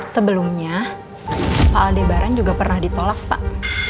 sebelumnya pak aldebaran juga pernah ditolak pak